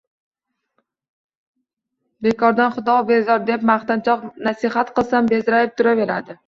Bekordan xudo bezor, deb mundoq nasihat qilsam, bezrayib turaveradi.